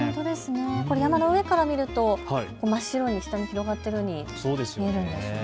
山の上から見ると真っ白に、下に広がっているように見えるんですかね。